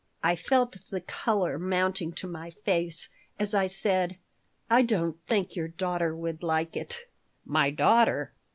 I felt the color mounting to my face as I said, "I don't think your daughter would like it." "My daughter?"